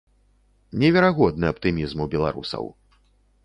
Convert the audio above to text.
Неверагодны аптымізм у беларусаў.